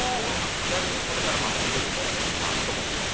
気軽にこれから置けるということもあると思ってます